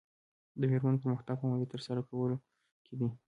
د مېرمنو پرمختګ په علمي ترلاسه کولو کې دی.